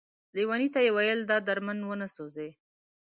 ليوني ته يې ويل دا درمند ونه سوځې ،